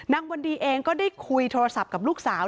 วันดีเองก็ได้คุยโทรศัพท์กับลูกสาว